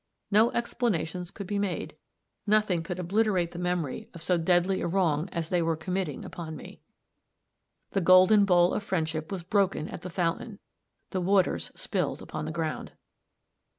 No explanations could be made nothing could obliterate the memory of so deadly a wrong as they were committing upon me. The golden bowl of friendship was broken at the fountain the waters spilled upon the ground.